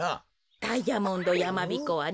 ダイヤモンドやまびこはね